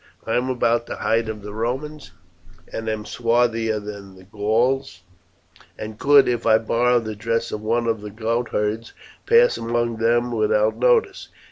I am about the height of the Romans, and am swarthier than the Gauls, and could, if I borrowed the dress of one of the goatherds, pass among them without notice.